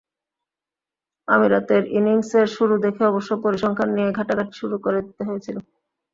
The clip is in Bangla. আমিরাতের ইনিংসের শুরু দেখে অবশ্য পরিসংখ্যান নিয়েই ঘাটা ঘটি শুরু করে দিতে হয়েছিল।